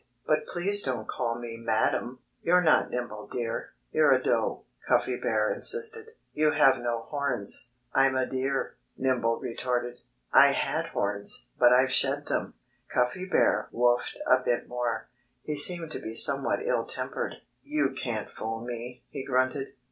"But please don't call me 'madam!'" "You're not Nimble Deer. You're a Doe," Cuffy Bear insisted. "You have no horns." "I'm a Deer," Nimble retorted. "I had horns; but I've shed them." Cuffy Bear woofed a bit more. He seemed to be somewhat ill tempered. "You can't fool me," he grunted.